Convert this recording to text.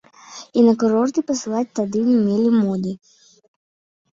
І на курорты пасылаць тады не мелі моды.